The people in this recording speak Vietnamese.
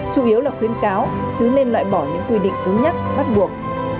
chủ yếu là khuyến cáo chứ nên loại bỏ những quy định cứng nhắc bắt buộc